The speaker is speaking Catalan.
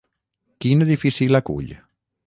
Quin edifici l'acull?